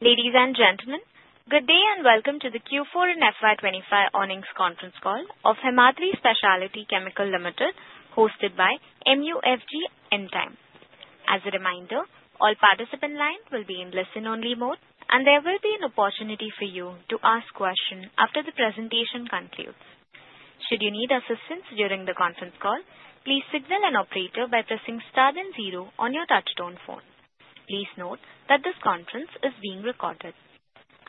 Ladies and gentlemen, good day and welcome to the Q4 and FY25 earnings conference call of Himadri Speciality Chemical Limited, hosted by MUFG Securities. As a reminder, all participants' lines will be in listen-only mode, and there will be an opportunity for you to ask questions after the presentation concludes. Should you need assistance during the conference call, please signal an operator by pressing star then zero on your touch-tone phone. Please note that this conference is being recorded.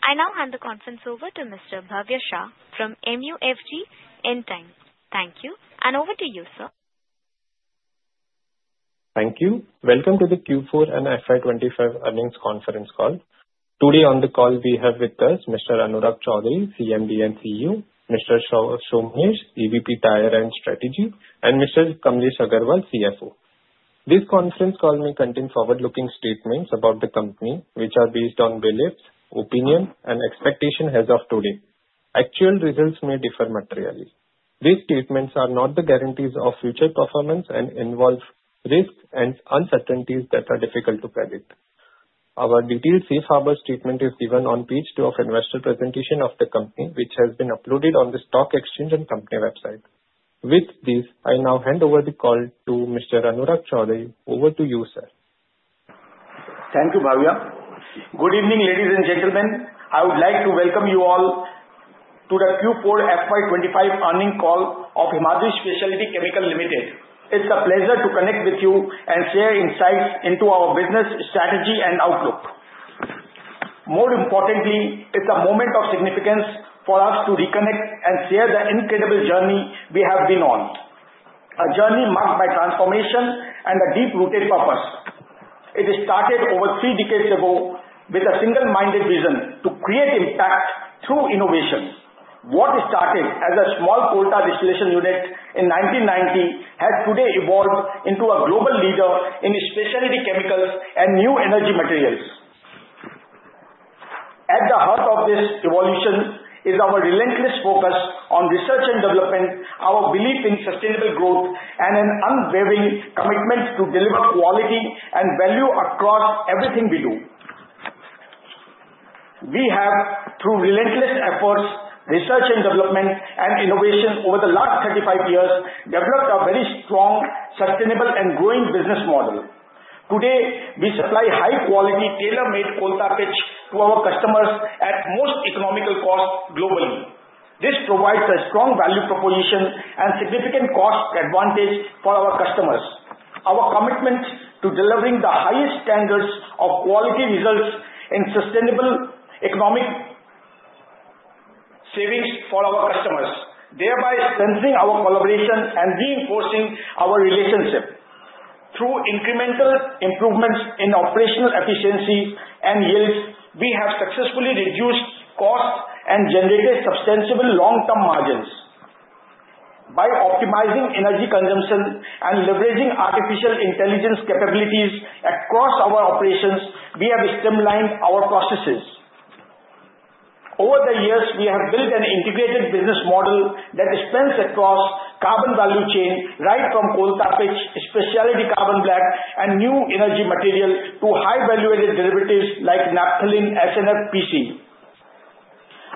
I now hand the conference over to Mr. Bhavya Shah from MUFG Securities. Thank you, and over to you, sir. Thank you. Welcome to the Q4 and FY25 earnings conference call. Today on the call, we have with us Mr. Anurag Choudhary, CMD and CEO; Mr. Shohmish, EVP Tire and Strategy; and Mr. Kamlesh Agarwal, CFO. This conference call may contain forward-looking statements about the company, which are based on beliefs, opinions, and expectations as of today. Actual results may differ materially. These statements are not the guarantees of future performance and involve risks and uncertainties that are difficult to predict. Our detailed safe harbor statement is given on page two of investor presentation of the company, which has been uploaded on the stock exchange and company website. With this, I now hand over the call to Mr. Anurag Choudhary. Over to you, sir. Thank you, Bhavya. Good evening, ladies and gentlemen. I would like to welcome you all to the Q4 FY25 earnings call of Himadri Speciality Chemical Limited. It's a pleasure to connect with you and share insights into our business strategy and outlook. More importantly, it's a moment of significance for us to reconnect and share the incredible journey we have been on, a journey marked by transformation and a deep-rooted purpose. It started over three decades ago with a single-minded vision to create impact through innovation. What started as a small coal-tar distillation unit in 1990 has today evolved into a global leader in specialty chemicals and new energy materials. At the heart of this evolution is our relentless focus on research and development, our belief in sustainable growth, and an unwavering commitment to deliver quality and value across everything we do. We have, through relentless efforts, research and development, and innovation over the last 35 years, developed a very strong, sustainable, and growing business model. Today, we supply high-quality, tailor-made coal-tar pitch to our customers at the most economical cost globally. This provides a strong value proposition and significant cost advantage for our customers. Our commitment to delivering the highest standards of quality results in sustainable economic savings for our customers, thereby strengthening our collaboration and reinforcing our relationship. Through incremental improvements in operational efficiency and yields, we have successfully reduced costs and generated substantial long-term margins. By optimizing energy consumption and leveraging artificial intelligence capabilities across our operations, we have streamlined our processes. Over the years, we have built an integrated business model that spans across the carbon value chain, right from coal-tar pitch, specialty carbon black, and new energy material to high-valued derivatives like naphthalene, SNF, and PCE.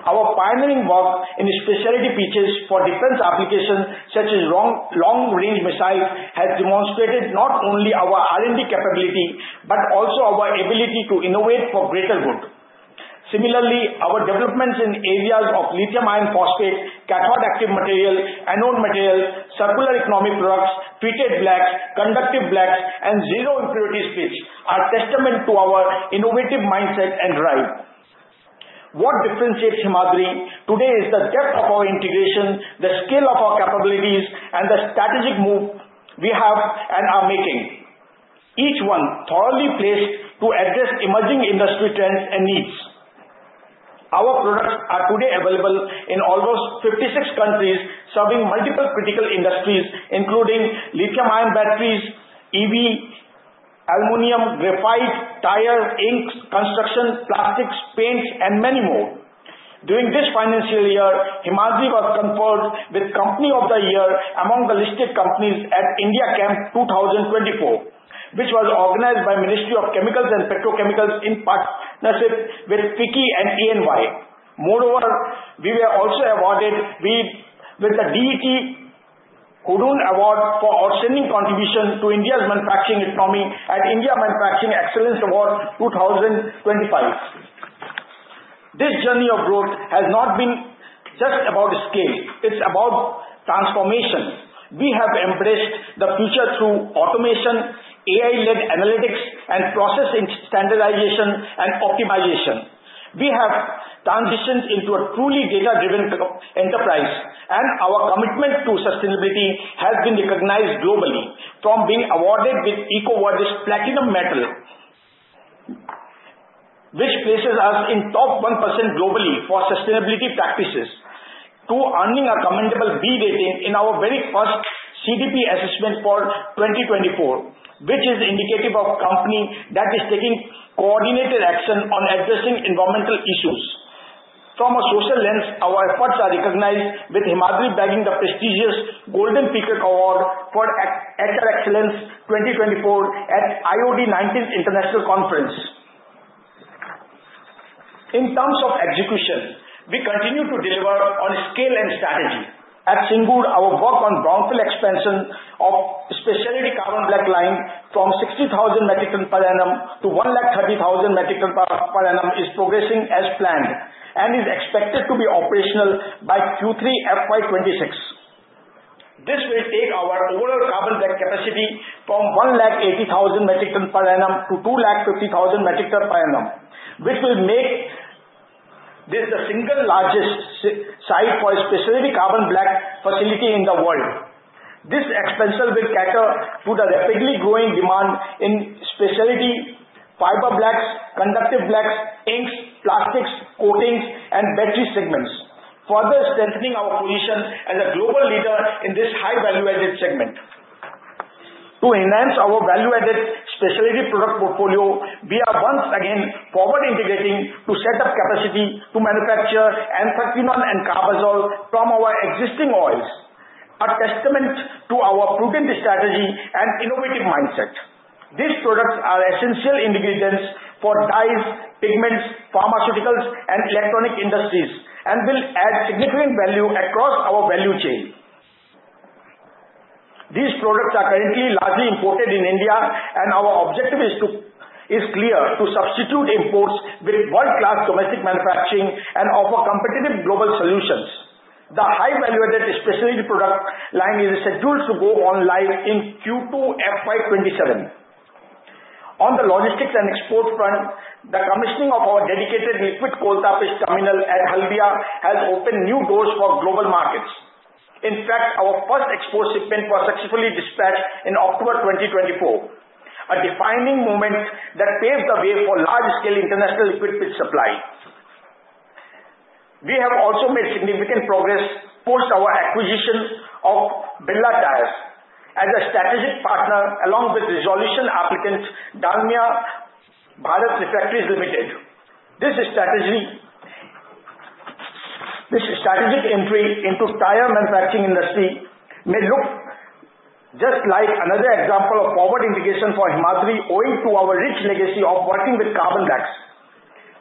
Our pioneering work in specialty pitches for defense applications, such as long-range missiles, has demonstrated not only our R&D capability but also our ability to innovate for greater good. Similarly, our developments in areas of lithium iron phosphate, cathode active material, anode material, circular economy products, treated blacks, conductive blacks, and zero impurity pitch are a testament to our innovative mindset and drive. What differentiates Himadri today is the depth of our integration, the scale of our capabilities, and the strategic move we have and are making, each one thoroughly placed to address emerging industry trends and needs. Our products are today available in almost 56 countries, serving multiple critical industries, including lithium-ion batteries, EV, aluminum, graphite, tire, inks, construction, plastics, paints, and many more. During this financial year, Himadri was conferred with Company of the Year among the listed companies at IndiaChem 2024, which was organized by the Ministry of Chemicals and Petrochemicals in partnership with FICCI and EY. Moreover, we were also awarded with the DET Kudun Award for outstanding contribution to India's manufacturing economy at India Manufacturing Excellence Award 2025. This journey of growth has not been just about scale. It is about transformation. We have embraced the future through automation, AI-led analytics, and process standardization and optimization. We have transitioned into a truly data-driven enterprise, and our commitment to sustainability has been recognized globally. From being awarded with EcoVadis's Platinum Medal, which places us in the top 1% globally for sustainability practices, to earning a commendable B rating in our very first CDP assessment for 2024, which is indicative of a company that is taking coordinated action on addressing environmental issues. From a social lens, our efforts are recognized, with Himadri bagging the prestigious Golden Peaker Award for HR Excellence 2024 at IOD 19 International Conference. In terms of execution, we continue to deliver on scale and strategy. At Singrauli, our work on brownfield expansion of specialty carbon black line from 60,000 metric tons per annum to 130,000 metric tons per annum is progressing as planned and is expected to be operational by Q3 FY26. This will take our overall carbon black capacity from 180,000 metric tons per annum to 250,000 metric tons per annum, which will make this the single largest site for a specialty carbon black facility in the world. This expansion will cater to the rapidly growing demand in specialty fiber blacks, conductive blacks, inks, plastics, coatings, and battery segments, further strengthening our position as a global leader in this high-value-added segment. To enhance our value-added specialty product portfolio, we are once again forward-integrating to set up capacity to manufacture anthraquinone and carbazole from our existing oils, a testament to our prudent strategy and innovative mindset. These products are essential ingredients for dyes, pigments, pharmaceuticals, and electronic industries, and will add significant value across our value chain. These products are currently largely imported in India, and our objective is clear: to substitute imports with world-class domestic manufacturing and offer competitive global solutions. The high-value-added specialty product line is scheduled to go online in Q2 FY2027. On the logistics and export front, the commissioning of our dedicated liquid coal-tar pitch terminal at Haldia has opened new doors for global markets. In fact, our first export shipment was successfully dispatched in October 2024, a defining moment that paved the way for large-scale international liquid pitch supply. We have also made significant progress post our acquisition of Birla Tyres as a strategic partner along with resolution applicant Dalmia Bharat Refractories Limited. This strategic entry into the tire manufacturing industry may look just like another example of forward integration for Himadri, owing to our rich legacy of working with carbon blacks.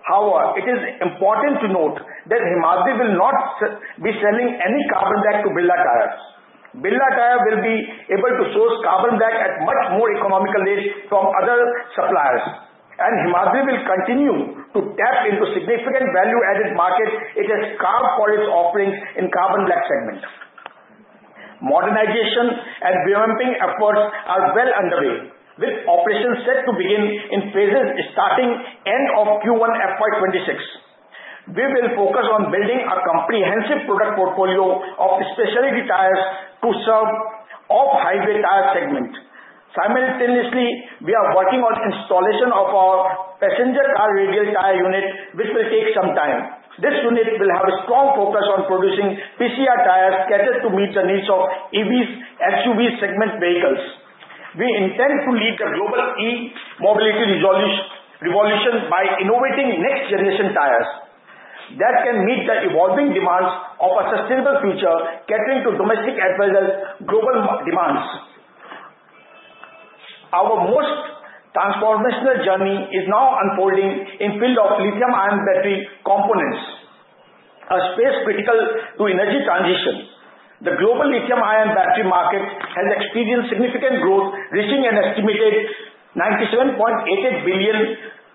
However, it is important to note that Himadri will not be selling any carbon black to Birla Tyres. Birla Tyres will be able to source carbon black at much more economical rates from other suppliers, and Himadri will continue to tap into the significant value-added market it has carved for its offerings in the carbon black segment. Modernization and revamping efforts are well underway, with operations set to begin in phases starting at the end of Q1 FY2026. We will focus on building a comprehensive product portfolio of specialty tires to serve the off-highway tire segment. Simultaneously, we are working on the installation of our passenger car radial tire unit, which will take some time. This unit will have a strong focus on producing PCR tires catered to meet the needs of EVs, SUVs, and segment vehicles. We intend to lead the global e-mobility revolution by innovating next-generation tires that can meet the evolving demands of a sustainable future, catering to domestic as well as global demands. Our most transformational journey is now unfolding in the field of lithium-ion battery components, a space critical to energy transition. The global lithium-ion battery market has experienced significant growth, reaching an estimated $97.88 billion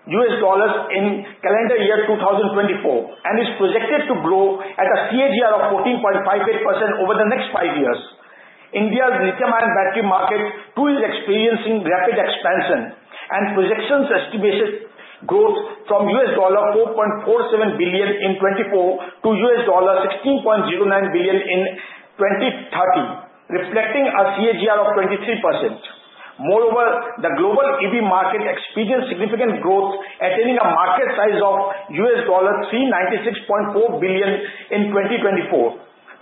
in the calendar year 2024, and is projected to grow at a CAGR of 14.58% over the next five years. India's lithium-ion battery market too is experiencing rapid expansion, and projections estimate growth from $4.47 billion in 2024 to $16.09 billion in 2030, reflecting a CAGR of 23%. Moreover, the global EV market experienced significant growth, attaining a market size of $396.4 billion in 2024.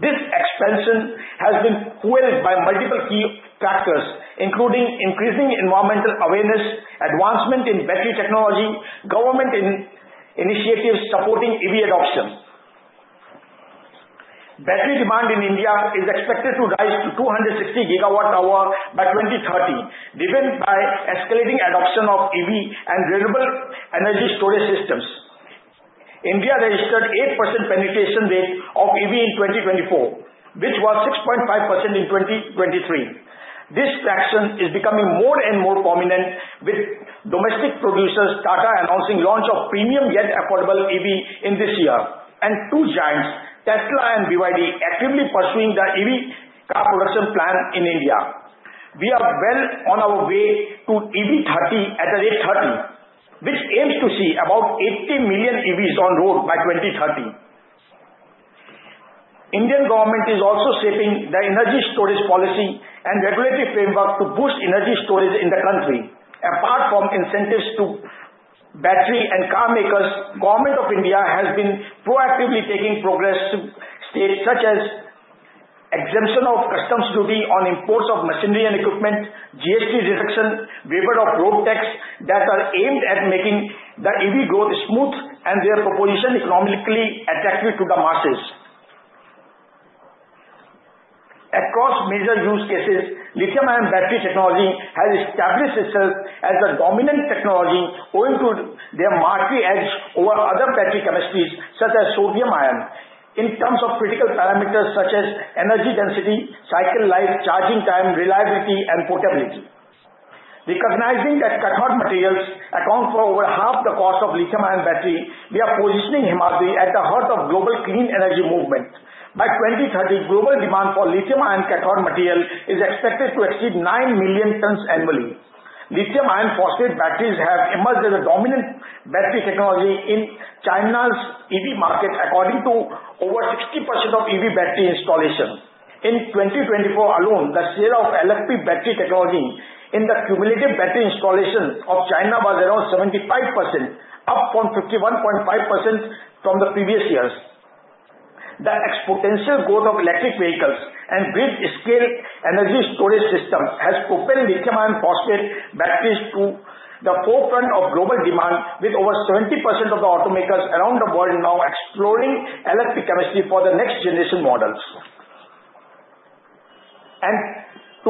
This expansion has been fueled by multiple key factors, including increasing environmental awareness, advancement in battery technology, and government initiatives supporting EV adoption. Battery demand in India is expected to rise to 260 GWh by 2030, driven by the escalating adoption of EV and renewable energy storage systems. India registered an 8% penetration rate of EVs in 2024, which was 6.5% in 2023. This traction is becoming more and more prominent, with domestic producers Tata announcing the launch of premium yet affordable EVs this year, and two giants, Tesla and BYD, actively pursuing the EV car production plan in India. We are well on our way to EV30 at the rate of 30, which aims to see about 80 million EVs on the road by 2030. The Indian government is also shaping the energy storage policy and regulatory framework to boost energy storage in the country. Apart from incentives to battery and car makers, the Government of India has been proactively taking progressive steps, such as the exemption of customs duty on imports of machinery and equipment, GST reduction, and the waiver of road tax that are aimed at making the EV growth smooth, and their proposition economically attractive to the masses. Across major use cases, lithium-ion battery technology has established itself as the dominant technology, owing to their market edge over other battery chemistries, such as sodium ion, in terms of critical parameters such as energy density, cycle life, charging time, reliability, and portability. Recognizing that cathode materials account for over half the cost of lithium-ion batteries, we are positioning Himadri at the heart of the global clean energy movement. By 2030, global demand for lithium-ion cathode materials is expected to exceed 9 million tons annually. Lithium iron phosphate batteries have emerged as the dominant battery technology in China's EV market, according to over 60% of EV battery installations. In 2024 alone, the share of LFP battery technology in the cumulative battery installations of China was around 75%, up from 51.5% from the previous years. The exponential growth of electric vehicles and great-scale energy storage systems has propelled lithium iron phosphate batteries to the forefront of global demand, with over 70% of the automakers around the world now exploring LFP chemistry for the next-generation models.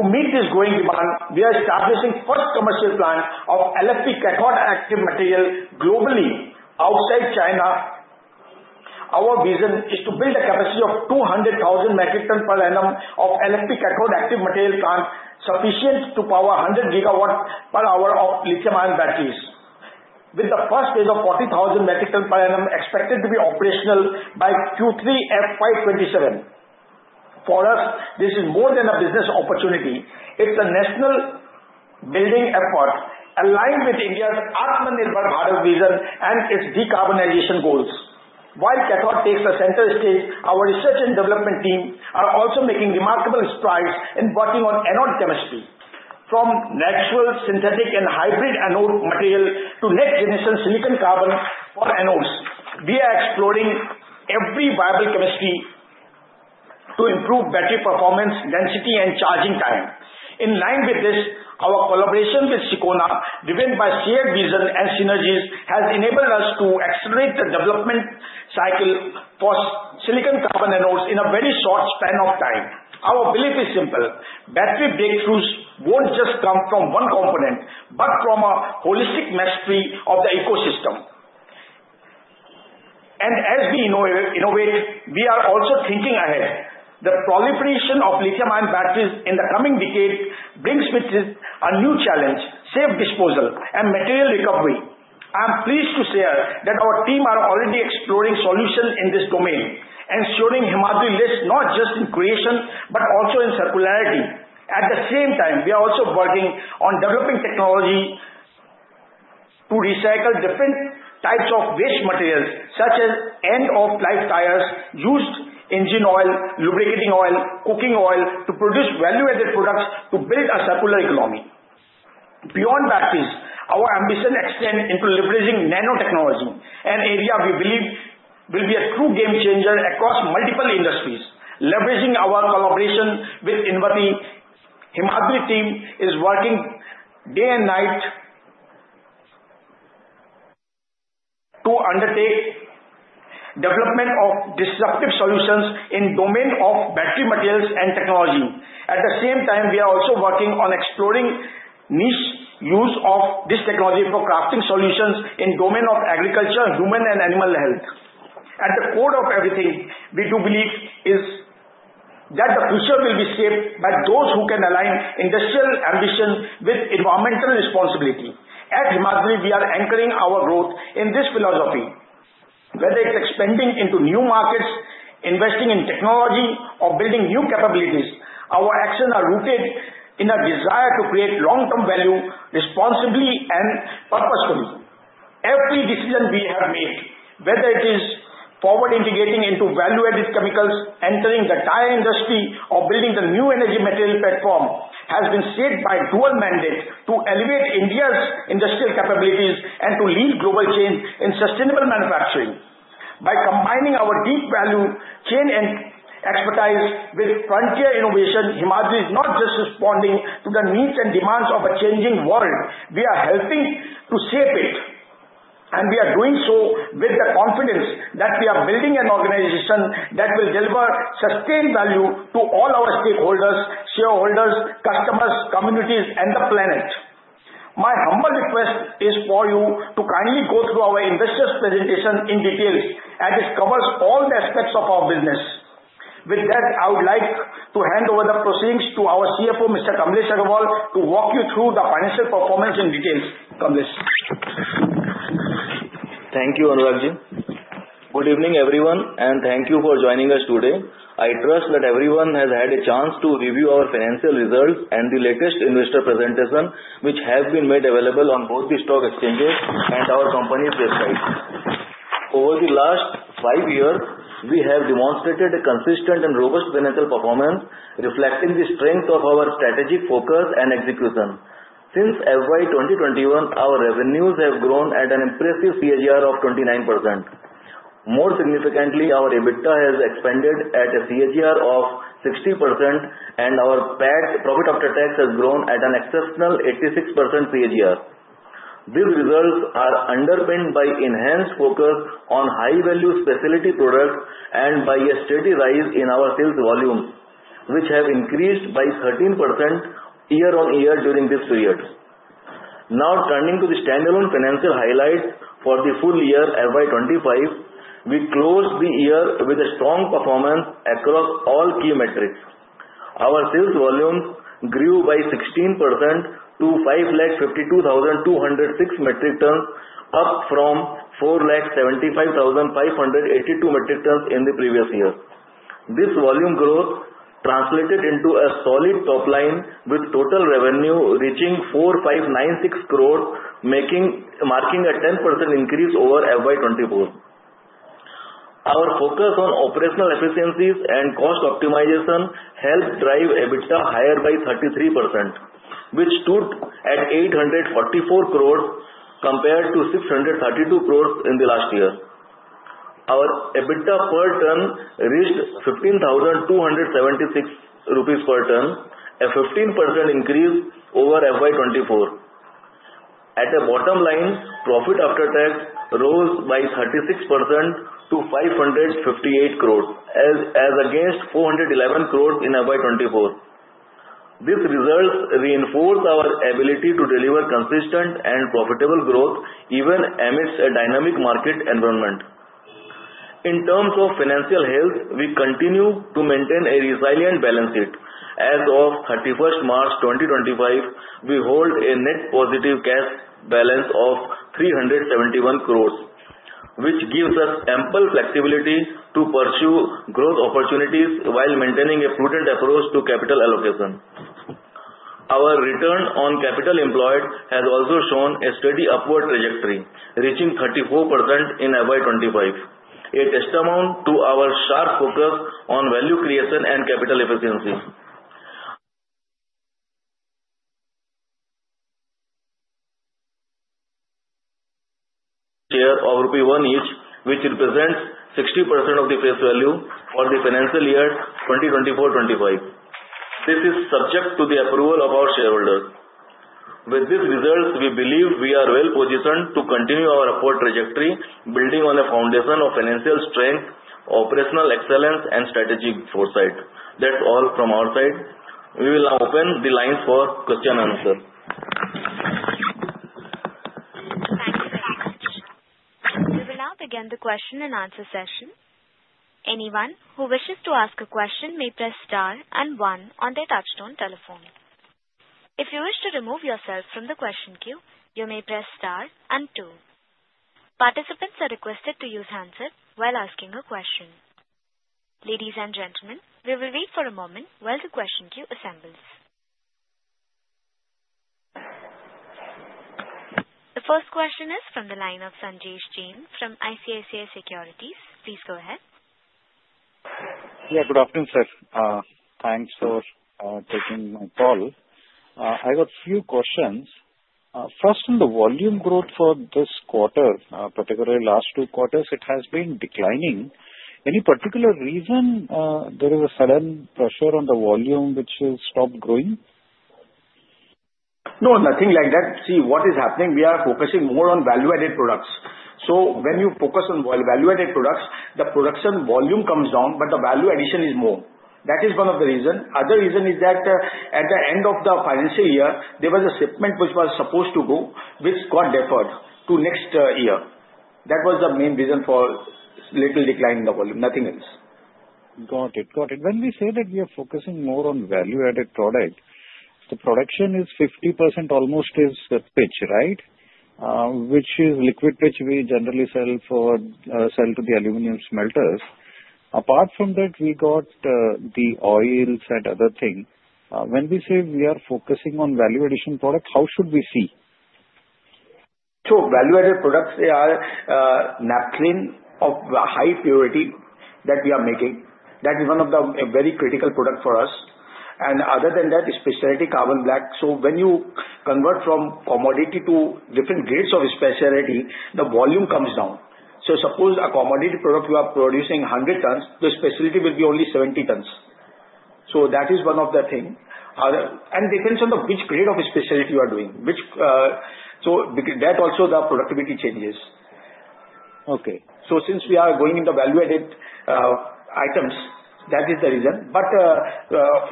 To meet this growing demand, we are establishing the first commercial plant of LFP cathode active materials globally outside China. Our vision is to build a capacity of 200,000 metric tons per annum of LFP cathode active materials plants, sufficient to power 100 GWh of lithium-ion batteries, with the first phase of 40,000 metric tons per annum expected to be operational by Q3 FY2027. For us, this is more than a business opportunity; it is a national building effort aligned with India's Atma Nirbhar Bharat vision and its decarbonization goals. While cathode takes the center stage, our research and development team is also making remarkable strides in working on anode chemistry, from natural, synthetic, and hybrid anode materials to next-generation silicon carbon for anodes. We are exploring every viable chemistry to improve battery performance, density, and charging time. In line with this, our collaboration with Sicona, driven by shared vision and synergies, has enabled us to accelerate the development cycle for silicon carbon anodes in a very short span of time. Our belief is simple: battery breakthroughs won't just come from one component but from a holistic mastery of the ecosystem. As we innovate, we are also thinking ahead. The proliferation of lithium-ion batteries in the coming decade brings with it a new challenge: safe disposal and material recovery. I am pleased to share that our team is already exploring solutions in this domain, ensuring Himadri lives not just in creation but also in circularity. At the same time, we are also working on developing technology to recycle different types of waste materials, such as end-of-life tires, used engine oil, lubricating oil, and cooking oil, to produce value-added products to build a circular economy. Beyond batteries, our ambition extends into leveraging nanotechnology, an area we believe will be a true game-changer across multiple industries. Leveraging our collaboration with Invati, the Himadri team is working day and night to undertake the development of disruptive solutions in the domain of battery materials and technology. At the same time, we are also working on exploring the niche use of this technology for crafting solutions in the domain of agriculture, human and animal health. At the core of everything we do believe is that the future will be shaped by those who can align industrial ambition with environmental responsibility. At Himadri, we are anchoring our growth in this philosophy. Whether it's expanding into new markets, investing in technology, or building new capabilities, our actions are rooted in a desire to create long-term value responsibly and purposefully. Every decision we have made, whether it is forward-integrating into value-added chemicals, entering the tire industry, or building the new energy material platform, has been shaped by a dual mandate: to elevate India's industrial capabilities and to lead global change in sustainable manufacturing. By combining our deep value chain and expertise with frontier innovation, Himadri is not just responding to the needs and demands of a changing world; we are helping to shape it, and we are doing so with the confidence that we are building an organization that will deliver sustained value to all our stakeholders—shareholders, customers, communities, and the planet. My humble request is for you to kindly go through our investors' presentation in detail, as it covers all the aspects of our business. With that, I would like to hand over the proceedings to our CFO, Mr. Thank you, Anurag ji. Good evening, everyone, and thank you for joining us today. I trust that everyone has had a chance to review our financial results and the latest investor presentations, which have been made available on both the stock exchanges and our company's website. Over the last five years, we have demonstrated a consistent and robust financial performance, reflecting the strength of our strategic focus and execution. Since FY 2021, our revenues have grown at an impressive CAGR of 29%. More significantly, our EBITDA has expanded at a CAGR of 60%, and our PAT—Profit After Tax—has grown at an exceptional 86% CAGR. These results are underpinned by enhanced focus on high-value specialty products and by a steady rise in our sales volumes, which have increased by 13% year-on-year during this period. Now, turning to the standalone financial highlights for the full year FY 2025, we closed the year with a strong performance across all key metrics. Our sales volumes grew by 16% to 552,206 metric tons, up from 475,582 metric tons in the previous year. This volume growth translated into a solid top line, with total revenue reaching 4,596 crore, marking a 10% increase over FY 2024. Our focus on operational efficiencies and cost optimization helped drive EBITDA higher by 33%, which stood at 844 crore compared to 632 crore in the last year. Our EBITDA per ton reached 15,276 rupees per ton, a 15% increase over FY 2024. At the bottom line, Profit After Tax rose by 36% to 558 crore, as against 411 crore in FY 2024. These results reinforce our ability to deliver consistent and profitable growth, even amidst a dynamic market environment. In terms of financial health, we continue to maintain a resilient balance sheet. As of 31 March 2025, we hold a net positive cash balance of 371 crore, which gives us ample flexibility to pursue growth opportunities while maintaining a prudent approach to capital allocation. Our return on capital employed has also shown a steady upward trajectory, reaching 34% in FY 2025. It is a testament to our sharp focus on value creation and capital efficiency. Share of rupee 1 each, which represents 60% of the face value for the financial year 2024-2025. This is subject to the approval of our shareholders. With these results, we believe we are well positioned to continue our upward trajectory, building on a foundation of financial strength, operational excellence, and strategic foresight. That's all from our side. We will now open the lines for question and answer. Thank you for your participation. We will now begin the question and answer session. Anyone who wishes to ask a question may press Star and 1 on their touchstone telephone. If you wish to remove yourself from the question queue, you may press Star and 2. Participants are requested to use hands up while asking a question. Ladies and gentlemen, we will wait for a moment while the question queue assembles. The first question is from the line of Sanjesh Jain from ICICI Securities. Please go ahead. Yeah, good afternoon, sir. Thanks for taking my call. I have a few questions. First, on the volume growth for this quarter, particularly the last two quarters, it has been declining. Any particular reason there is a sudden pressure on the volume which has stopped growing? No, nothing like that. See, what is happening, we are focusing more on value-added products. When you focus on value-added products, the production volume comes down, but the value addition is more. That is one of the reasons. The other reason is that at the end of the financial year, there was a shipment which was supposed to go, which got deferred to next year. That was the main reason for a little decline in the volume. Nothing else. Got it. Got it. When we say that we are focusing more on value-added products, the production is 50% almost is pitch, right? Which is liquid pitch we generally sell to the aluminum smelters. Apart from that, we got the oils and other things. When we say we are focusing on value-addition products, how should we see? Value-added products, they are naphthalene of high purity that we are making. That is one of the very critical products for us. Other than that, specialty carbon black. When you convert from commodity to different grades of specialty, the volume comes down. Suppose a commodity product you are producing 100 tons, the specialty will be only 70 tons. That is one of the things. It depends on which grade of specialty you are doing. That also, the productivity changes. Since we are going into value-added items, that is the reason.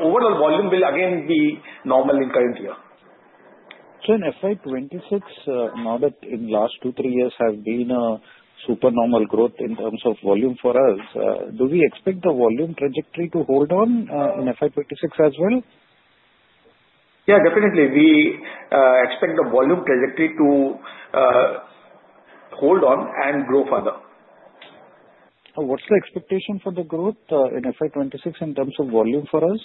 Overall volume will again be normal in the current year. In FY 2026, now that in the last two or three years there has been supernormal growth in terms of volume for us, do we expect the volume trajectory to hold on in FY 2026 as well? Yeah, definitely. We expect the volume trajectory to hold on and grow further. What's the expectation for the growth in FY 2026 in terms of volume for us?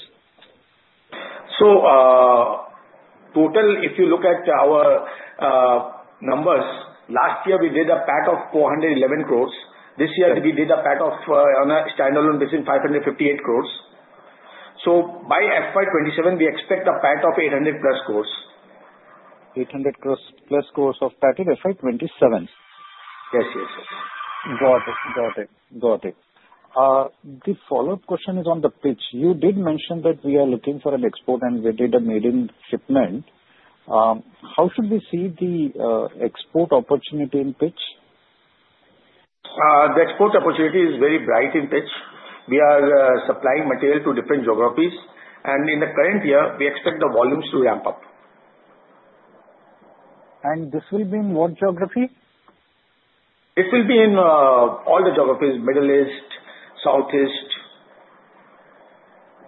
Total, if you look at our numbers, last year we did a PAT of 411 crore. This year we did a PAT of, on a standalone basis, 558 crore. By FY 2027, we expect a PAT of 800 plus crore. 800 plus crore of PAT in FY 2027. Yes, yes, yes. Got it. Got it. Got it. The follow-up question is on the pitch. You did mention that we are looking for an export and we did a maiden shipment. How should we see the export opportunity in pitch? The export opportunity is very bright in pitch. We are supplying material to different geographies. In the current year, we expect the volumes to ramp up. This will be in what geography? It will be in all the geographies: Middle East, Southeast.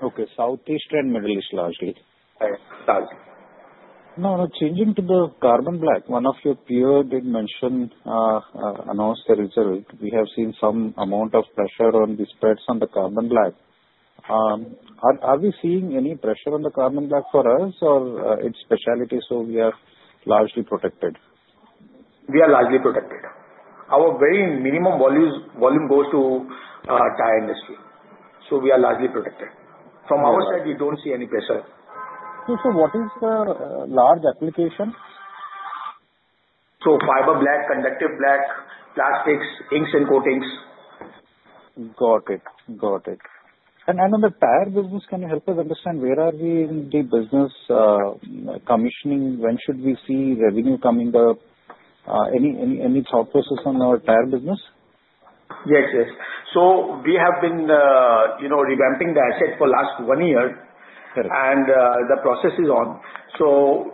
Okay, Southeast and Middle East largely. No, no, changing to the carbon black. One of your peers did mention, announced earlier, we have seen some amount of pressure on the spreads on the carbon black. Are we seeing any pressure on the carbon black for us or its specialty so we are largely protected? We are largely protected. Our very minimum volume goes to tire industry. So we are largely protected. From our side, we do not see any pressure. What is the large application? Fiber black, conductive black, plastics, inks, and coatings. Got it. Got it. On the tire business, can you help us understand where are we in the business commissioning? When should we see revenue coming up? Any thought process on our tire business? Yes, yes. We have been revamping the asset for the last one year, and the process is on.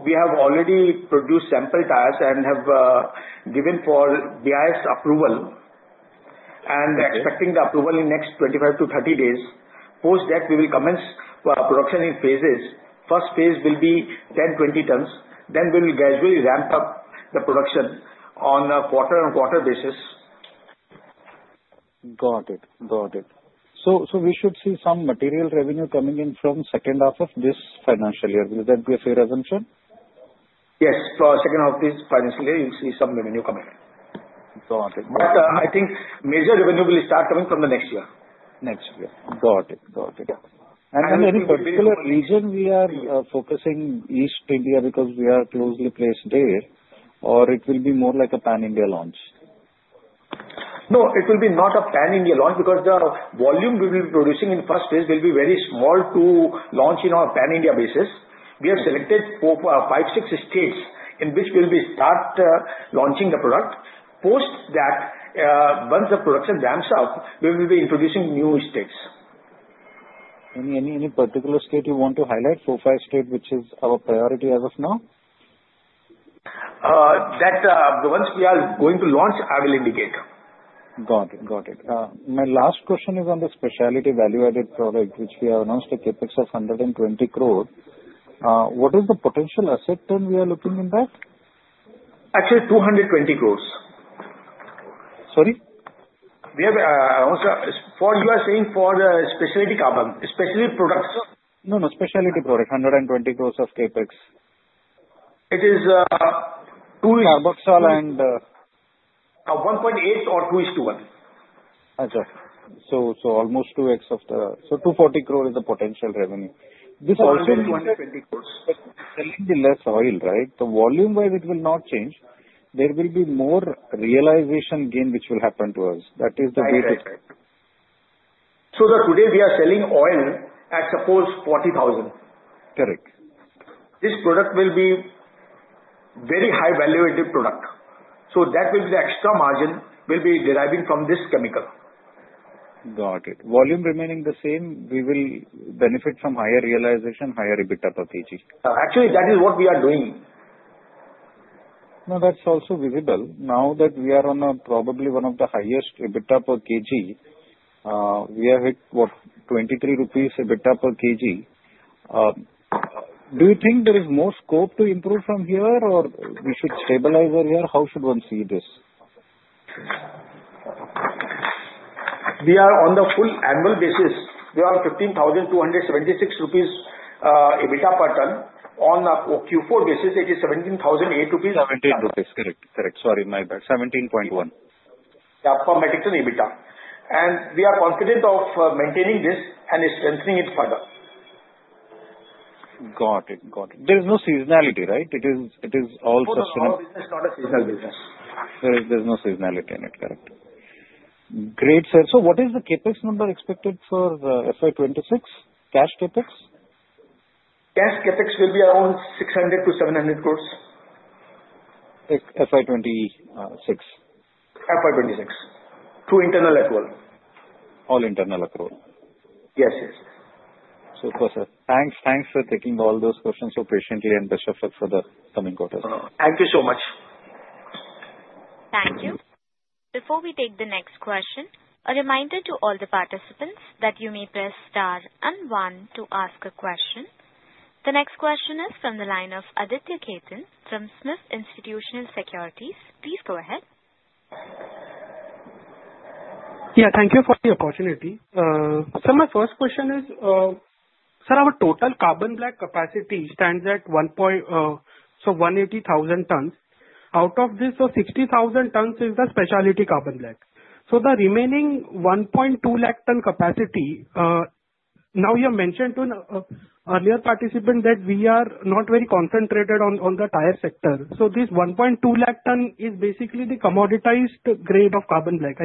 We have already produced sample tires and have given for BIS approval and are expecting the approval in the next 25-30 days. Post that, we will commence production in phases. First phase will be 10-20 tons. Then we will gradually ramp up the production on a quarter-on-quarter basis. Got it. Got it. We should see some material revenue coming in from the second half of this financial year. Will that be a fair assumption? Yes. For the second half of this financial year, you'll see some revenue coming. Got it. I think major revenue will start coming from the next year. Next year. Got it. Got it. Any particular region we are focusing in East India because we are closely placed there, or it will be more like a pan-India launch? No, it will not be a pan-India launch because the volume we will be producing in the first phase will be very small to launch on a pan-India basis. We have selected five, six states in which we will start launching the product. Post that, once the production ramps up, we will be introducing new states. Any particular state you want to highlight? So far, a state which is our priority as of now? That once we are going to launch, I will indicate. Got it. Got it. My last question is on the specialty value-added product, which we have announced a CapEx of 120 crore. What is the potential asset turn we are looking in that? Actually, INR 220 crore. Sorry? You are saying for the specialty carbon, specialty products. No, no, specialty product. 120 crore of CapEx. It is 2:1. Carbazole and. 1.8 or 2:1. Almost 2x of the, so 240 crores is the potential revenue. This oil will be 220 crores. Selling the less oil, right? The volume-wise, it will not change. There will be more realization gain which will happen to us. That is the way to. Today, we are selling oil at, suppose, 40,000. Correct. This product will be very high value-added product. That will be the extra margin we will be deriving from this chemical. Got it. Volume remaining the same, we will benefit from higher realization, higher EBITDA per kg. Actually, that is what we are doing. No, that's also visible. Now that we are on probably one of the highest EBITDA per kg, we have hit, what, 23 rupees EBITDA per kg. Do you think there is more scope to improve from here, or we should stabilize over here? How should one see this? We are on the full annual basis. We are on 15,276 rupees EBITDA per ton. On a Q4 basis, it is 17,008 rupees. 17 rupees. Correct. Correct. Sorry, my bad. 17.1 per metric ton EBITDA. And we are confident of maintaining this and strengthening it further. Got it. Got it. There is no seasonality, right? It is all sustainable. It is not a seasonal business. There is no seasonality in it. Correct. Great, sir. What is the CapEx number expected for FY 2026? Cash CapEx? Cash CapEx will be around 600-700 crore. FY 2026. FY 2026. To internal accrual. All internal accrual. Yes, yes. Super, sir. Thanks. Thanks for taking all those questions so patiently and best of luck for the coming quarter. Thank you so much. Thank you. Before we take the next question, a reminder to all the participants that you may press Star and 1 to ask a question. The next question is from the line of Aditya Khetan from Smith Institutional Securities. Please go ahead. Yeah, thank you for the opportunity. Sir, my first question is, sir, our total carbon black capacity stands at 180,000 tons. Out of this, 60,000 tons is the specialty carbon black. The remaining 1.2 lakh ton capacity, now you mentioned to an earlier participant that we are not very concentrated on the tire sector. This 1.2 lakh ton is basically the commoditized grade of carbon black,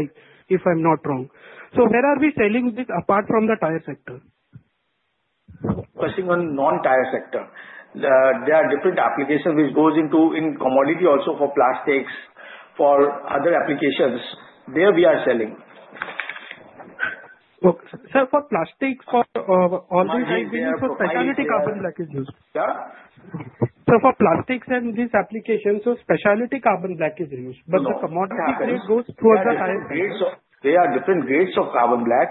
if I'm not wrong. Where are we selling this apart from the tire sector? Question on non-tire sector. There are different applications which goes into commodity also for plastics, for other applications. There we are selling. Sir, for plastics, for all these reasons, specialty carbon black is used. Yeah? Sir, for plastics and these applications, specialty carbon black is used. The commodity grade goes towards the tire sector. There are different grades of carbon black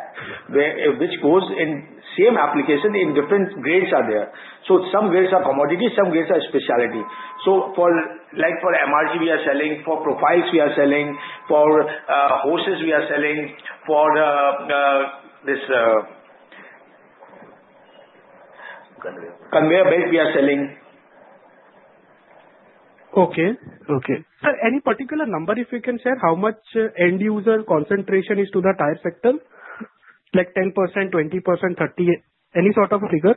which go in the same application in different grades. Some grades are commodity, some grades are specialty. Like for MRG, we are selling for profiles, we are selling for hoses, we are selling for this conveyor belt, we are selling. Okay. Okay. Sir, any particular number, if you can, sir, how much end user concentration is to the tire sector? Like 10%, 20%, 30%? Any sort of figure?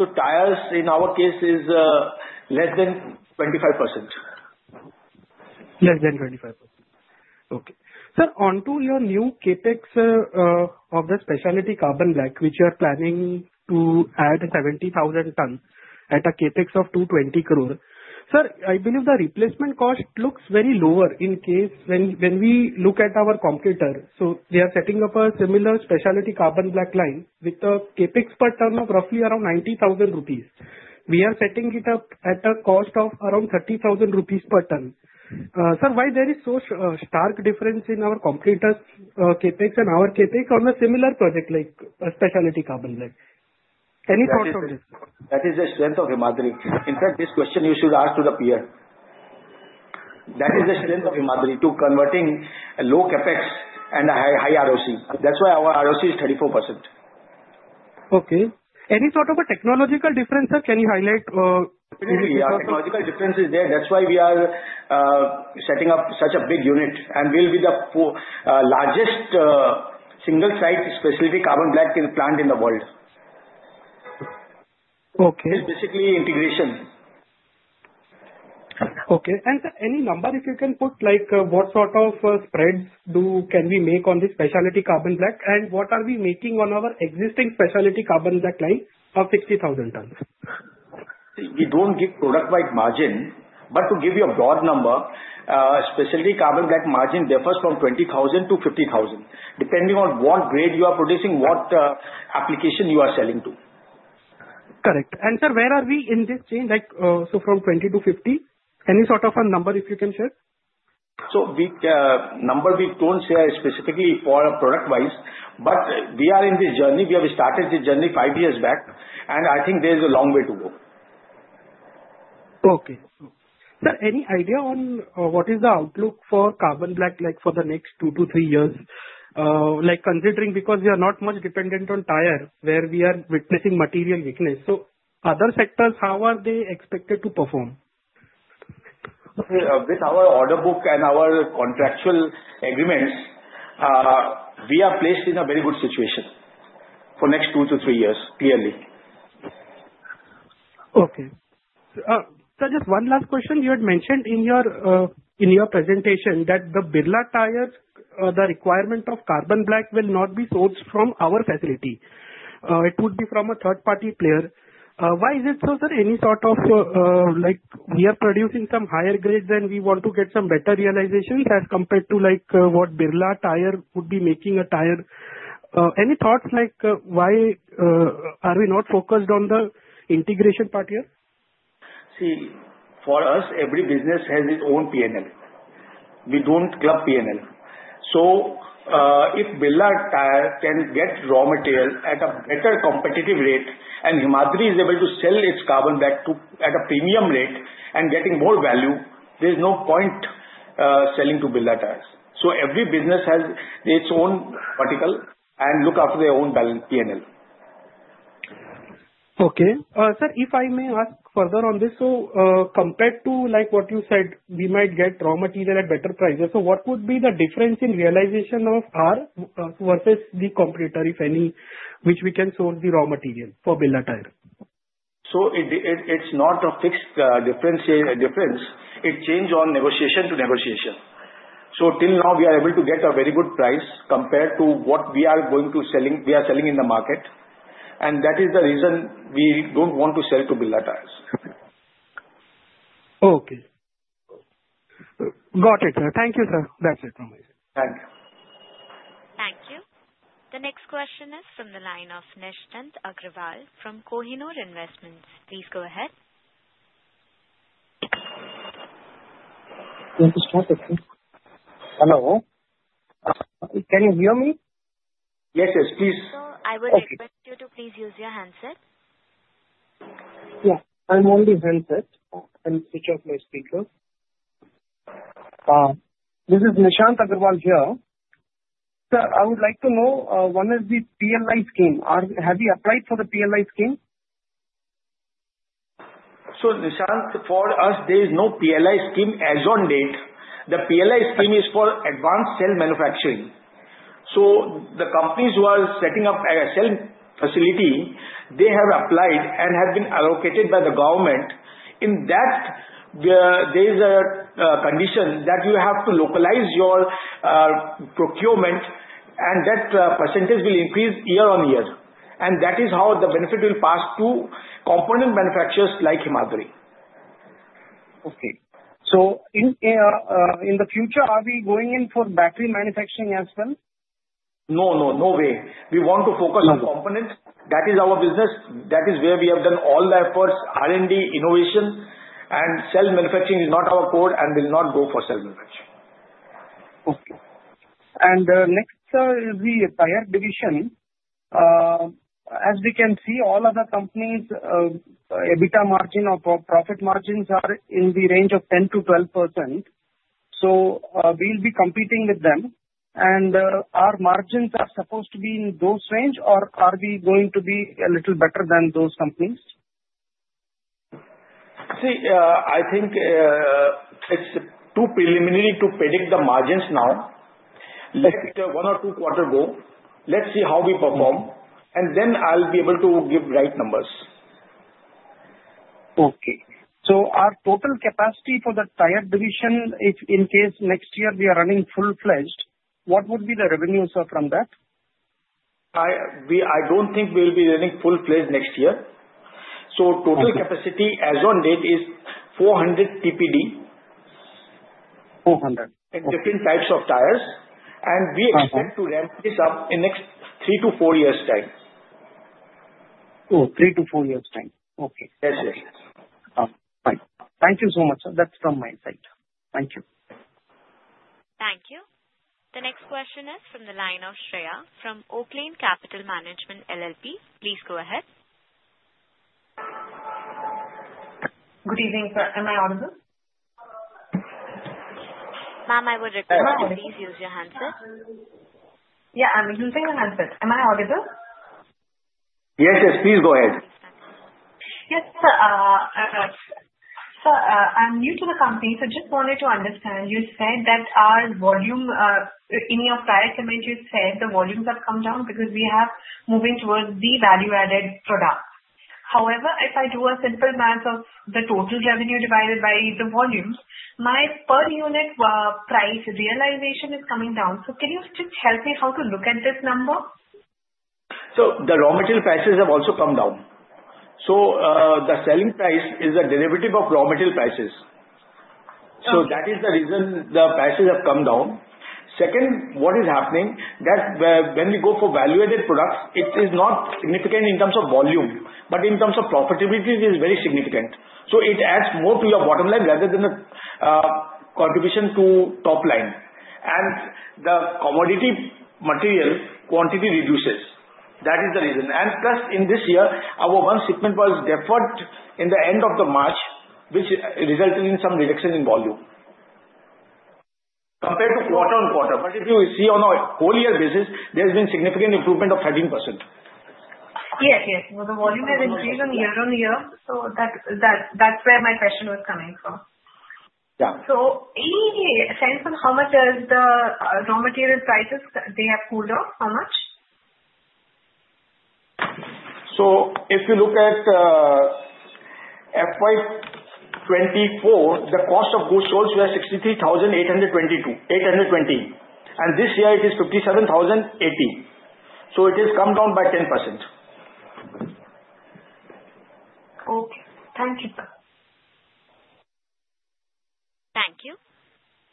Tires in our case is less than 25%. Less than 25%. Okay. Sir, onto your new capex of the specialty carbon black, which you are planning to add 70,000 tons at a capex of 220 crore. Sir, I believe the replacement cost looks very lower in case when we look at our competitor. So they are setting up a similar specialty carbon black line with a capex per ton of roughly around 90,000 rupees. We are setting it up at a cost of around 30,000 rupees per ton. Sir, why there is such a stark difference in our competitor's capex and our capex on a similar project like specialty carbon black? Any thoughts on this? That is the strength of Himadri. In fact, this question you should ask to the peer. That is the strength of Himadri to converting low capex and high RoCE. That's why our RoCE is 34%. Okay. Any sort of a technological difference, sir? Can you highlight? Definitely, technological difference is there. That's why we are setting up such a big unit. We will be the largest single-site specialty carbon black plant in the world. It is basically integration. Okay. Sir, any number if you can put? Like what sort of spreads can we make on this specialty carbon black? What are we making on our existing specialty carbon black line of 60,000 tons? We do not give product-wide margin. To give you a broad number, specialty carbon black margin differs from 20,000-50,000, depending on what grade you are producing, what application you are selling to. Correct. Sir, where are we in this change? From 20,000 to 50,000? Any sort of a number if you can share? Number we do not share specifically for product-wise. We are in this journey. We have started this journey five years back. I think there is a long way to go. Okay. Sir, any idea on what is the outlook for carbon black for the next two to three years? Considering because we are not much dependent on tire, where we are witnessing material weakness, so other sectors, how are they expected to perform? With our order book and our contractual agreements, we are placed in a very good situation for the next two to three years, clearly. Okay. Sir, just one last question. You had mentioned in your presentation that the Birla Tyres, the requirement of carbon black will not be sourced from our facility. It would be from a third-party player. Why is it so, sir? Any sort of we are producing some higher grade than we want to get some better realizations as compared to what Birla Tyres would be making a tire? Any thoughts like why are we not focused on the integration part here? See, for us, every business has its own P&L. We do not club P&L. If Birla Tyres can get raw material at a better competitive rate and Himadri is able to sell its carbon black at a premium rate and getting more value, there is no point selling to Birla Tyres. Every business has its own article and looks after their own P&L. Okay. Sir, if I may ask further on this, compared to what you said, we might get raw material at better prices. What would be the difference in realization of ours versus the competitor, if any, which we can source the raw material for Birla Tyres? It is not a fixed difference. It changes on negotiation to negotiation. Till now, we are able to get a very good price compared to what we are going to selling in the market. That is the reason we do not want to sell to Birla Tyres. Okay. Got it, sir. Thank you, sir. That is it from my side. Thank you. Thank you. The next question is from the line of Nishant Agrawal from Kohinoor Investments. Please go ahead. Hello. Can you hear me? Yes, yes. Please. I would expect you to please use your handset. Yeah. I am on the handset. I will switch off my speaker. This is Nishant Agrawal here. Sir, I would like to know, one is the PLI scheme. Have you applied for the PLI scheme? Nishant, for us, there is no PLI scheme as of date. The PLI scheme is for advanced cell manufacturing. The companies who are setting up a cell facility, they have applied and have been allocated by the government. In that, there is a condition that you have to localize your procurement, and that percentage will increase year on year. That is how the benefit will pass to component manufacturers like Himadri. Okay. In the future, are we going in for battery manufacturing as well? No, no. No way. We want to focus on components. That is our business. That is where we have done all the efforts. R&D, innovation, and cell manufacturing is not our core and will not go for cell manufacturing. Okay. Next, sir, the tire division. As we can see, all other companies, EBITDA margin or profit margins are in the range of 10-12%. We will be competing with them. Our margins are supposed to be in those range, or are we going to be a little better than those companies? I think it's too preliminary to predict the margins now. Let's give one or two quarters go. Let's see how we perform. Then I'll be able to give right numbers. Okay. Our total capacity for the tire division, in case next year we are running full-fledged, what would be the revenue, sir, from that? I don't think we'll be running full-fledged next year. Total capacity as of date is 400 TPD. Four hundred. In different types of tires. We expect to ramp this up in the next three to four years' time. Three to four years' time. Okay. Yes, yes. Right. Thank you so much, sir. That's from my side. Thank you. Thank you. The next question is from the line of Shreya from Oaklane Capital Management LLP. Please go ahead. Good evening, sir. Am I audible? Ma'am, I would require you to please use your handset. Yeah, I'm using my handset. Am I audible? Yes, yes. Please go ahead. Yes, sir. Sir, I'm new to the company, so just wanted to understand. You said that our volume in your prior comment, you said the volumes have come down because we have moved towards the value-added product. However, if I do a simple math of the total revenue divided by the volumes, my per-unit price realization is coming down. Can you just help me how to look at this number? The raw material prices have also come down. The selling price is a derivative of raw material prices. That is the reason the prices have come down. Second, what is happening is that when we go for value-added products, it is not significant in terms of volume, but in terms of profitability, it is very significant. It adds more to your bottom line rather than a contribution to top line. The commodity material quantity reduces. That is the reason. Plus, in this year, our one shipment was deferred at the end of March, which resulted in some reduction in volume compared to quarter on quarter. If you see on a whole year basis, there has been significant improvement of 13%. Yes, yes. The volume has increased year on year. That is where my question was coming from. Yeah. Any sense on how much the raw material prices have cooled off? How much? If you look at FY2024, the cost of goods sold was 63,820. This year, it is 57,080. It has come down by 10%. Okay. Thank you, sir. Thank you.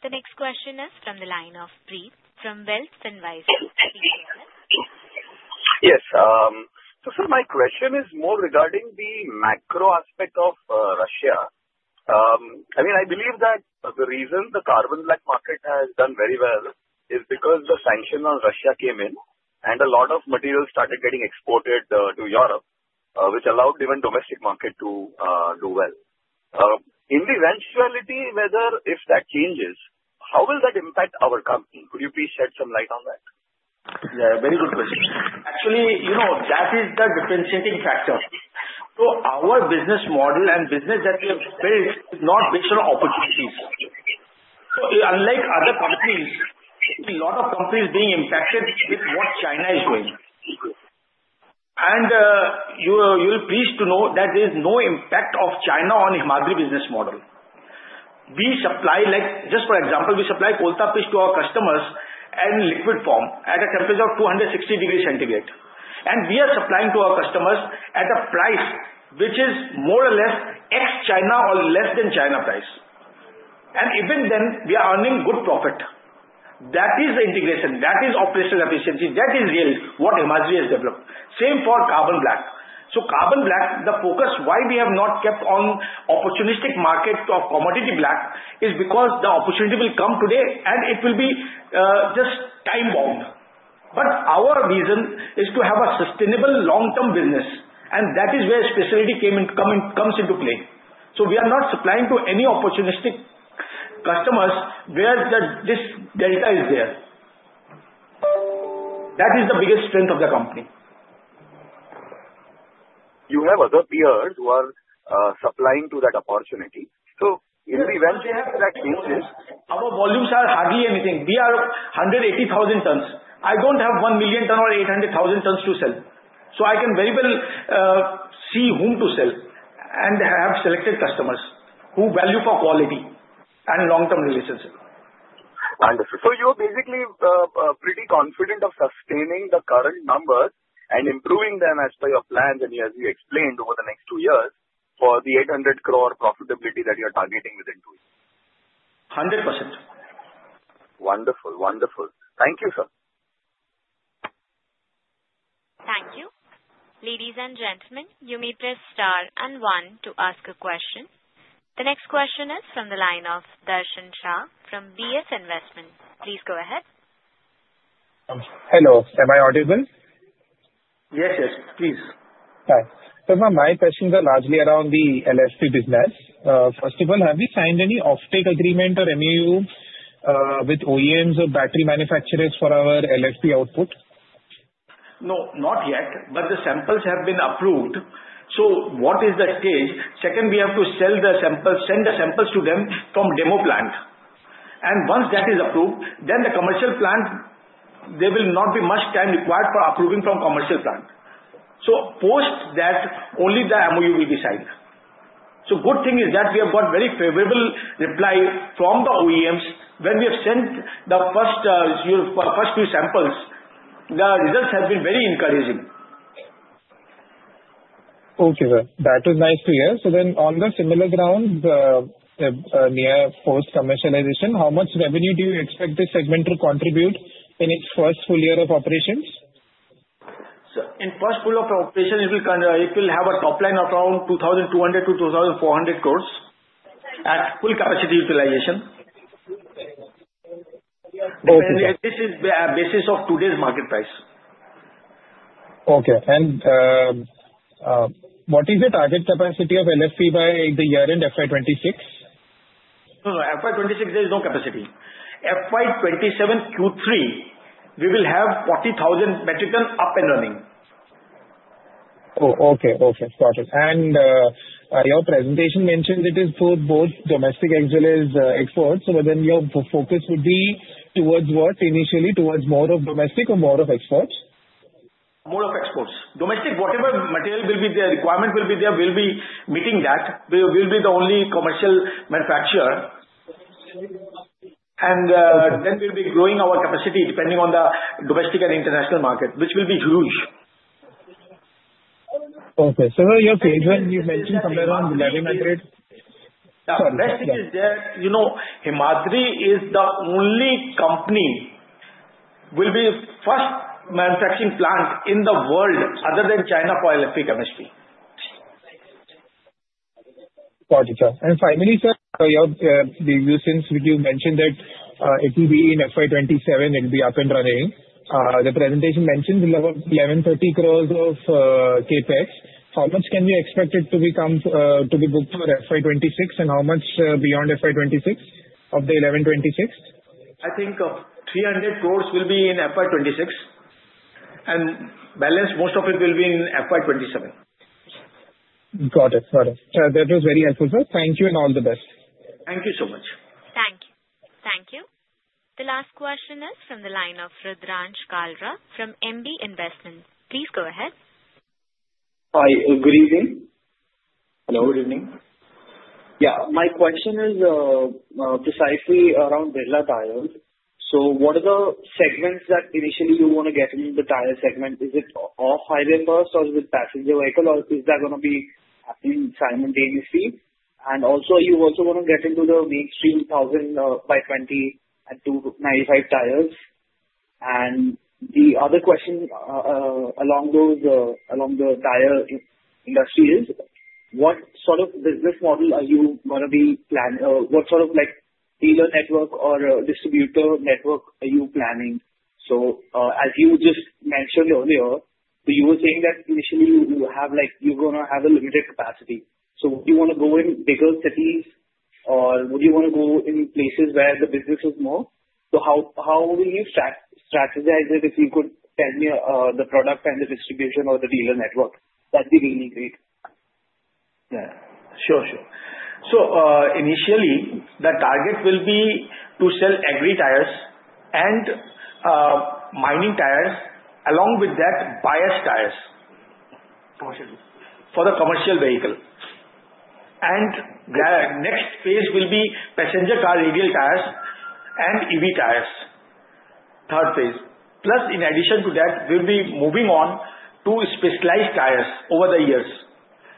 The next question is from the line of Preet from Wealth Advisory. Yes. Sir, my question is more regarding the macro aspect of Russia. I mean, I believe that the reason the carbon black market has done very well is because the sanctions on Russia came in, and a lot of materials started getting exported to Europe, which allowed even the domestic market to do well. In the eventuality, whether if that changes, how will that impact our company? Could you please shed some light on that? Yeah, very good question. Actually, that is the differentiating factor. Our business model and business that we have built is not based on opportunities. Unlike other companies, a lot of companies are being impacted with what China is doing. You'll be pleased to know that there is no impact of China on Himadri business model. We supply, just for example, we supply coal-tar pitch to our customers in liquid form at a temperature of 260 degrees Celsius. We are supplying to our customers at a price which is more or less ex-China or less than China price. Even then, we are earning good profit. That is the integration. That is operational efficiency. That is what Himadri has developed. The same for carbon black. Carbon black, the focus why we have not kept on opportunistic market of commodity black is because the opportunity will come today, and it will be just time-bound. Our vision is to have a sustainable long-term business. That is where specialty comes into play. We are not supplying to any opportunistic customers where this delta is there. That is the biggest strength of the company. You have other peers who are supplying to that opportunity. In the event they have that change? Our volumes are hardly anything. We are 180,000 tons. I do not have 1 million tons or 800,000 tons to sell. I can very well see whom to sell and have selected customers who value quality and long-term relationship. Wonderful. You are basically pretty confident of sustaining the current numbers and improving them as per your plans and as you explained over the next two years for the 800 crore profitability that you are targeting within two years. 100%. Wonderful. Wonderful. Thank you, sir. Thank you. Ladies and gentlemen, you may press star and one to ask a question. The next question is from the line of Darshan Shah from BS Investments. Please go ahead. Hello. Am I audible? Yes, yes. Please. Sir, my questions are largely around the LFP business. First of all, have we signed any off-take agreement or MAU with OEMs or battery manufacturers for our LFP output? No, not yet. But the samples have been approved. What is the stage? Second, we have to sell the samples, send the samples to them from demo plant. Once that is approved, then the commercial plant, there will not be much time required for approving from commercial plant. Post that, only the MAU will decide. The good thing is that we have got very favorable reply from the OEMs when we have sent the first few samples. The results have been very encouraging. Okay. That is nice to hear. On the similar ground, near post-commercialization, how much revenue do you expect this segment to contribute in its first full year of operations? In the first full year of operation, it will have a top line of around 2,200 to 2,400 crore at full capacity utilization. This is the basis of today's market price. Okay. What is the target capacity of LFP by the year end FY2026? No, no. FY2026, there is no capacity. FY2027 Q3, we will have 40,000 metric tons up and running. Oh, okay. Okay. Got it. Your presentation mentioned it is for both domestic and exports. Your focus would be towards what initially, more of domestic or more of exports? More of exports. Domestic, whatever material will be there, requirement will be there, we will be meeting that. We will be the only commercial manufacturer. Then we will be growing our capacity depending on the domestic and international market, which will be huge. Okay. Your phase one, you mentioned somewhere around 1,100. Next is that Himadri is the only company. We'll be the first manufacturing plant in the world other than China for LFP chemistry. Got it, sir. Finally, sir, your deal since you mentioned that it will be in FY2027, it will be up and running. The presentation mentions 1,130 crore of CapEx. How much can we expect it to be booked for FY2026, and how much beyond FY2026 of the 1,126 crore? I think 300 crore will be in FY2026, and balance, most of it will be in FY2027. Got it. Got it. That was very helpful, sir. Thank you, and all the best. Thank you so much. Thank you. Thank you. The last question is from the line of Rudran Shkalra from MB Investments. Please go ahead. Hi. Good evening. Hello. Good evening. Yeah. My question is precisely around Birla Tyres. What are the segments that initially you want to get in the tire segment? Is it off-highway first, or is it passenger vehicle, or is that going to be happening simultaneously? You also want to get into the mainstream 1,000 by 20 and 95 tires. The other question along the tire industry is, what sort of business model are you going to be planning? What sort of dealer network or distributor network are you planning? As you just mentioned earlier, you were saying that initially you're going to have a limited capacity. Would you want to go in bigger cities, or would you want to go in places where the business is more? How will you strategize it if you could tell me the product and the distribution or the dealer network? That would be really great. Yeah. Sure, sure. Initially, the target will be to sell agri tires and mining tires, along with that, bias tires for the commercial vehicle. The next phase will be passenger car radial tires and EV tires, third phase. Plus, in addition to that, we will be moving on to specialized tires over the years.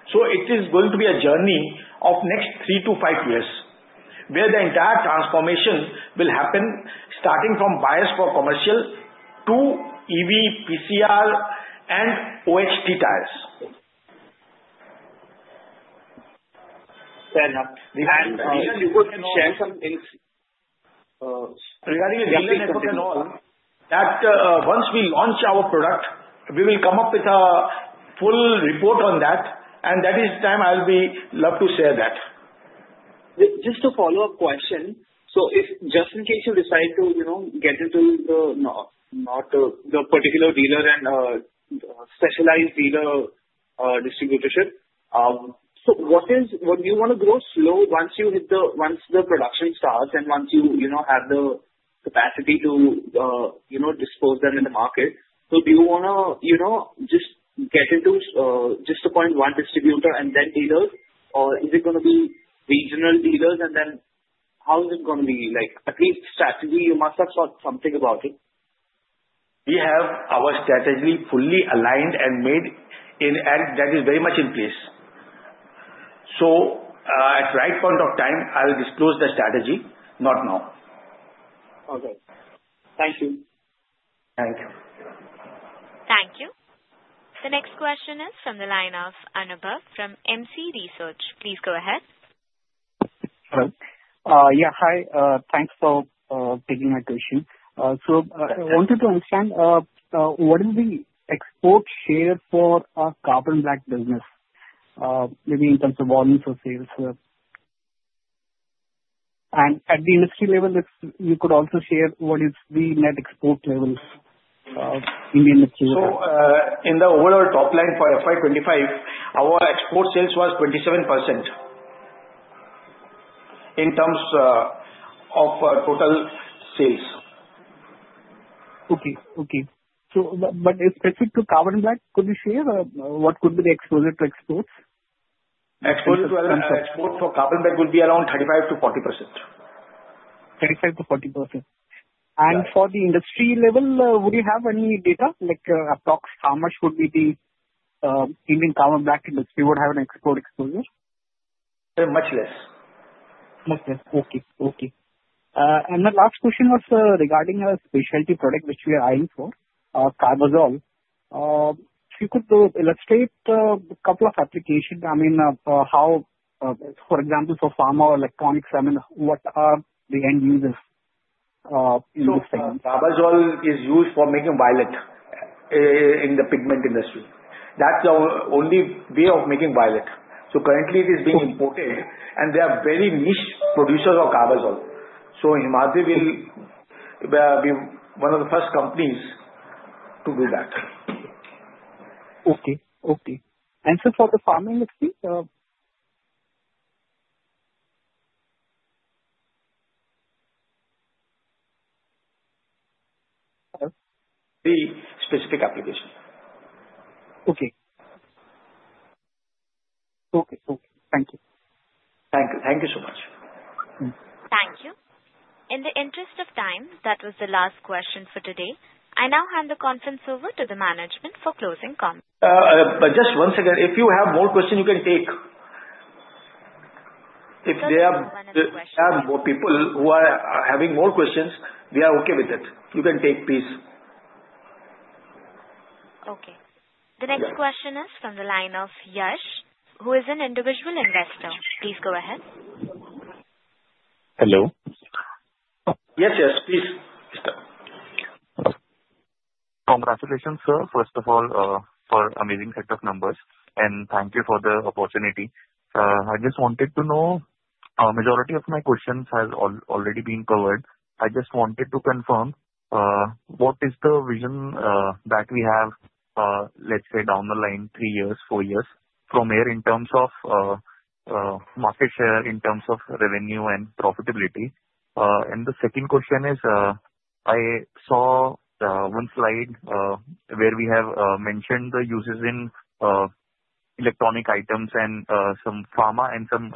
It is going to be a journey of the next three to five years where the entire transformation will happen starting from bias for commercial to EV, PCR, and OHT tires. Fair enough. Regarding the dealer network and all, once we launch our product, we will come up with a full report on that. That is the time I will be loved to share that. Just a follow-up question. Just in case you decide to get into the particular dealer and specialized dealer distributorship, do you want to grow slow once the production starts and once you have the capacity to dispose them in the market? Do you want to just get into just a point one distributor and then dealers, or is it going to be regional dealers, and then how is it going to be? At least strategy, you must have thought something about it. We have our strategy fully aligned and made and that is very much in place. At the right point of time, I'll disclose the strategy. Not now. Thank you. Thank you. Thank you. The next question is from the line of Anubhav from MC Research. Please go ahead. Hello. Yeah, hi. Thanks for taking my question. I wanted to understand what is the export share for our carbon black business, maybe in terms of volumes or sales? At the industry level, you could also share what is the net export levels in the industry? In the overall top line for FY 2025, our export sales was 27% in terms of total sales. Okay. Okay. Specific to carbon black, could you share what could be the exposure to exports? Exposure to carbon black would be around 35-40%. 35-40%. For the industry level, would you have any data, like approximately how much would the Indian carbon black industry have an export exposure? Much less. Much less. Okay. Okay. The last question was regarding a specialty product which we are eyeing for, carbazole. If you could illustrate a couple of applications, I mean, how, for example, for pharma or electronics, I mean, what are the end users in this segment? Carbazole is used for making violet in the pigment industry. That is the only way of making violet. Currently, it is being imported, and there are very niche producers of carbazole. Himadri will be one of the first companies to do that. Okay. Okay. For the pharma industry? Hello? The specific application. Okay. Okay. Okay. Thank you. Thank you. Thank you so much. Thank you. In the interest of time, that was the last question for today. I now hand the conference over to the management for closing comments. Just once again, if you have more questions, you can take. If they have more people who are having more questions, we are okay with it. You can take peace. Okay. The next question is from the line of Yash, who is an individual investor. Please go ahead. Hello. Yes, yes. Please. Congratulations, sir, first of all, for amazing set of numbers. And thank you for the opportunity. I just wanted to know majority of my questions has already been covered. I just wanted to confirm what is the vision that we have, let's say, down the line, three years, four years, from here in terms of market share, in terms of revenue and profitability. The second question is, I saw one slide where we have mentioned the uses in electronic items and some pharma and some,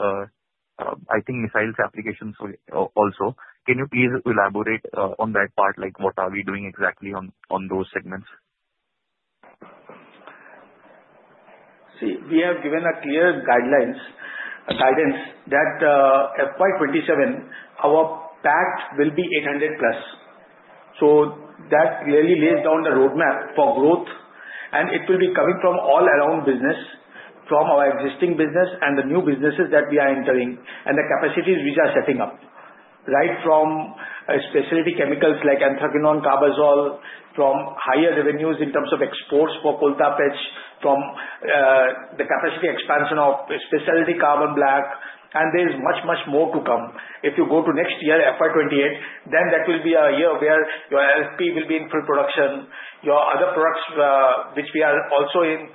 I think, missiles applications also. Can you please elaborate on that part, like what are we doing exactly on those segments? See, we have given a clear guidance that FY2027, our PAT will be 800 plus. That clearly lays down the roadmap for growth, and it will be coming from all around business, from our existing business and the new businesses that we are entering and the capacities which are setting up, right from specialty chemicals like anthraquinone, carbazole, from higher revenues in terms of exports for coal-tar pitch, from the capacity expansion of specialty carbon black. There is much, much more to come. If you go to next year, FY2028, that will be a year where your LFP will be in full production. Your other products, which we are also in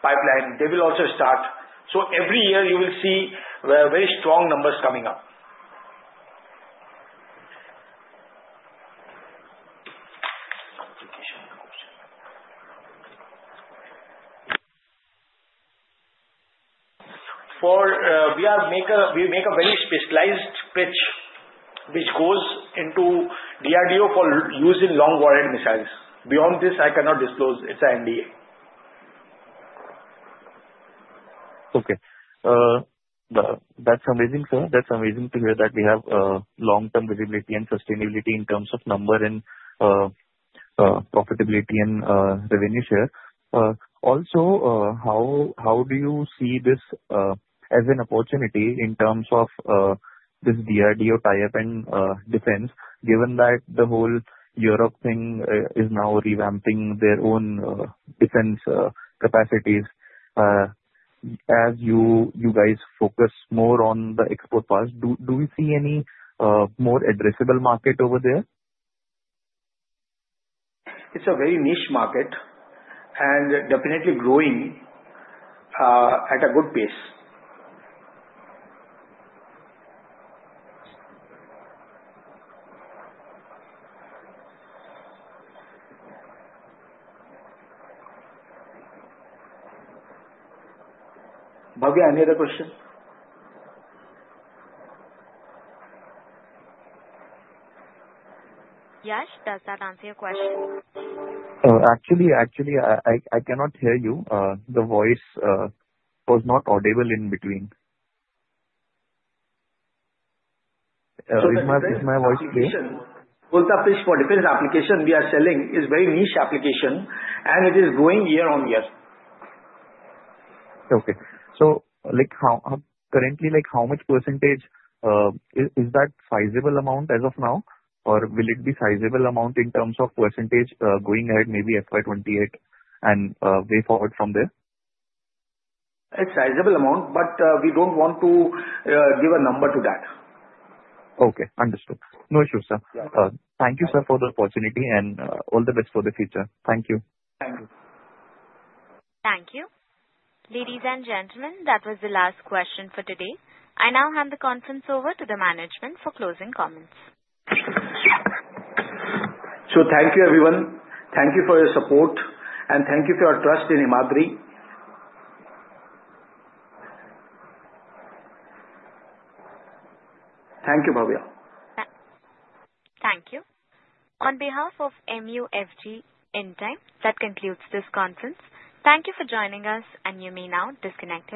pipeline, they will also start. Every year, you will see very strong numbers coming up. We make a very specialized pitch which goes into DRDO for use in long-warrant missiles. Beyond this, I cannot disclose. It's an NDA. Okay. That's amazing, sir. That's amazing to hear that we have long-term visibility and sustainability in terms of number and profitability and revenue share. Also, how do you see this as an opportunity in terms of this DRDO tie-up and defense, given that the whole Europe thing is now revamping their own defense capacities? As you guys focus more on the export part, do we see any more addressable market over there? It's a very niche market and definitely growing at a good pace. Have you any other questions? Yash, does that answer your question? Actually, I cannot hear you. The voice was not audible in between. Is my voice clear? Coal-tar pitch for defense application we are selling is a very niche application, and it is growing year on year. Okay. Currently, how much percentage is that sizable amount as of now, or will it be sizable amount in terms of percentage going ahead, maybe FY2028 and way forward from there? It's sizable amount, but we don't want to give a number to that. Okay. Understood. No issue, sir. Thank you, sir, for the opportunity, and all the best for the future. Thank you. Thank you. Thank you. Ladies and gentlemen, that was the last question for today. I now hand the conference over to the management for closing comments. Thank you, everyone. Thank you for your support, and thank you for your trust in Himadri. Thank you, Bhavya. Thank you. On behalf of MUFG Securities, that concludes this conference. Thank you for joining us, and you may now disconnect.